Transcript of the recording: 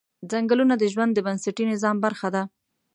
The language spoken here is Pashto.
ځنګلونه د ژوند د بنسټي نظام برخه ده